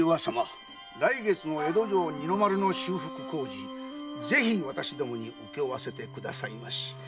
来月の江戸城二の丸の修復工事をぜひ私どもに請け負わせてくださいまし。